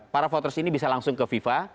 para voters ini bisa langsung ke fifa